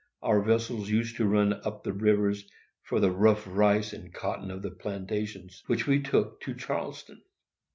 Our vessels used to run up the rivers for the rough rice and cotton of the plantations, which we took to Charleston.